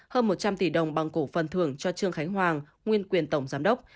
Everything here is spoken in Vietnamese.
hơn một trăm linh tỷ đồng bằng cổ phần thưởng cho trương khánh hoàng nguyên quyền tổng giám đốc